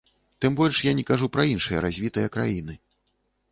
Тым больш я не кажу пра іншыя развітыя краіны.